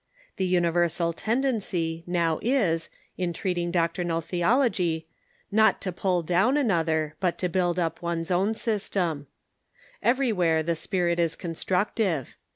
The luiiversal tendency now is, in treating doc trinal theology, not to pull down another, but to build up one's own system. Everywhere the spirit is constructive.